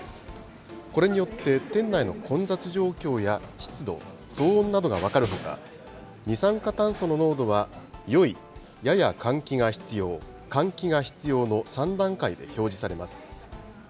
これによって、店内の混雑状況や湿度、騒音などが分かるほか、二酸化炭素の濃度は、よい、やや換気が必要、換気が必要の３段階で表示されます。